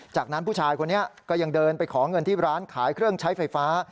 จากนั้นผู้ชายคนนี้ก็ยังเดินไปขอเงินที่ร้านขายเครื่องใช้ไฟฟ้า